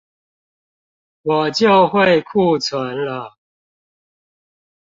我就會庫存了